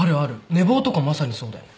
寝坊とかまさにそうだよね。